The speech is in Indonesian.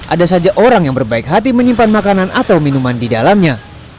ada saja orang yang berbaik hati menyimpan makanan atau minuman di dalamnya